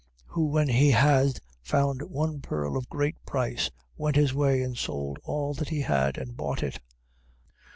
13:46. Who when he had found one pearl of great price, went his way, and sold all that he had, and bought it.